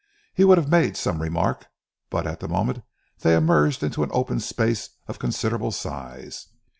He would have made some remark; but at the moment they emerged into a open space of considerable size.